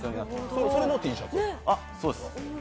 それのＴシャツ？